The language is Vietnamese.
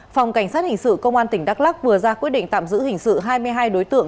phòng cảnh sát hình sự công an tỉnh đắk lắc vừa ra quyết định tạm giữ hình sự hai mươi hai đối tượng